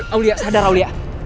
aulia sadar ya